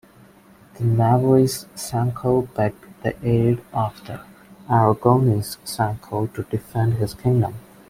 The Navarrese Sancho begged the aid of the Aragonese Sancho to defend his kingdom.